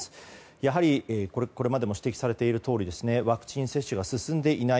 やはりこれまでも指摘されているとおりワクチン接種が進んでいない。